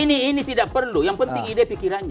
ini tidak perlu yang penting ide pikirannya